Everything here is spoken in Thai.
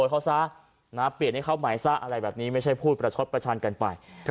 เขาซะเปลี่ยนให้เขาใหม่ซะอะไรแบบนี้ไม่ใช่พูดประชดประชันกันไป